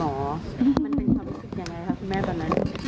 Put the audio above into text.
มันเป็นความรู้สึกยังไงคะคุณแม่ตอนนั้น